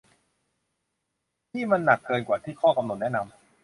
นี่มันหนักเกินกว่าที่ข้อกำหนดแนะนำ